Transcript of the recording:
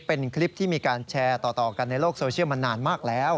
เป็นคลิปที่มีการแชร์ต่อกันในโลกโซเชียลมานานมากแล้ว